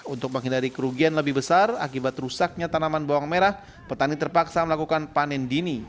untuk menghindari kerugian lebih besar akibat rusaknya tanaman bawang merah petani terpaksa melakukan panen dini